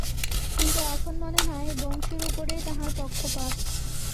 কিন্তু, এখন মনে হয়, বংশীর উপরেই তাঁহার পক্ষপাত।